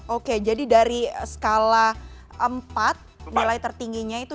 oke jadi dari skala empat nilai tertingginya itu